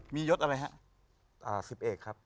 มียศอะไรฮะสิบเอกครับ